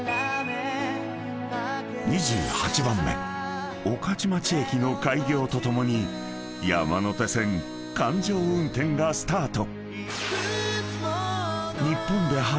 ［２８番目御徒町駅の開業とともに山手線環状運転がスタート］